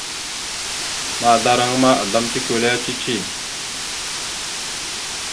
Mahəzlaraŋa ma, azlam tikweleya cici.